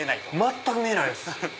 全く見えないです。